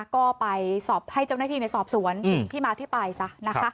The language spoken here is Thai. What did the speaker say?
ก็ไปให้เจ้าหน้าทีในสอบสวนที่มาที่ไปซะ